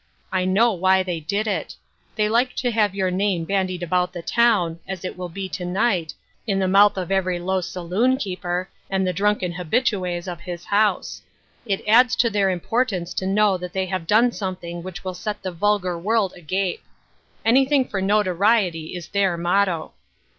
I know why they did it. They ON THE MOUNT AND IN THE VALLEY. 1 95 like to have your name bandied about the town, as it will be to night, in the mouth of every low saloon keeper, and the drunken habitues of his house. It adds to their importance to know that they have done something which will set the vul gar world a gap. ' Anything for notoriety ' is their motto."